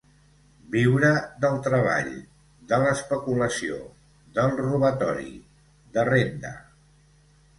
Viure del treball, de l'especulació, del robatori, de renda.